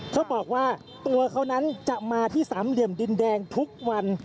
เขาบอกว่าตัวเขานั้นจะมาที่สามเหลี่ยมดินแดงทุกวัน